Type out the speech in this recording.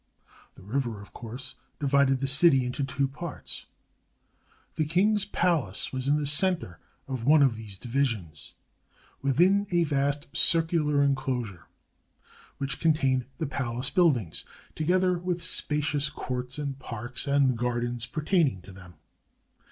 The river, of course, divided the city into two parts. The king's palace was in the center of one of these divi sions, within a vast circular inclosure, which contained the palace buildings, together with the spacious courts, and parks, and gardens pertaining to them.